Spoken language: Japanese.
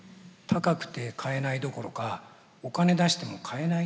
高くて買えないどころか「お金出しても買えない」というですね